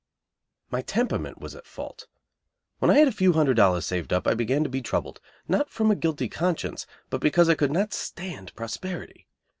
My temperament was at fault. When I had a few hundred dollars saved up I began to be troubled, not from a guilty conscience, but because I could not stand prosperity.